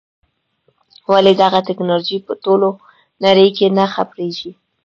ولې دغه ټکنالوژي په ټوله نړۍ کې نه خپرېږي.